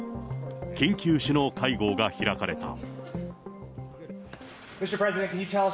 緊急首脳会合が開かれた。